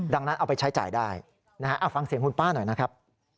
ดังนั้นเอาไปใช้จ่ายได้นะฮะฟังเสียงคุณป้าหน่อยนะครับ